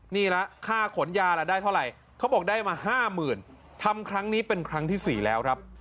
นี่ละค่าขนยาล่ะได้เท่าไหร่เขาบอกได้มา๕๐๐๐ทำครั้งนี้เป็นครั้งที่๔แล้วครับ